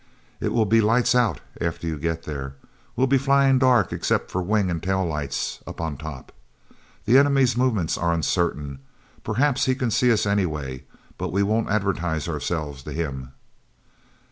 "It will be 'lights out' after you get there. We'll be flying dark except for wing and tail lights up on top. The enemy's movements are uncertain; perhaps he can see us anyway, but we won't advertise ourselves to him."